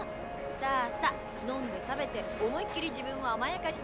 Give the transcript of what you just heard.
さあさ飲んで食べて思いっきり自分を甘やかしましょ！